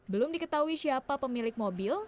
belum diketahui siapa pemilik mobil